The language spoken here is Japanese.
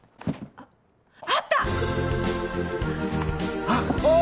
あっあったー！